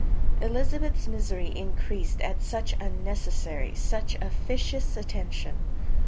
Elizabeth's misery increased at such unnecessary, such officious attention!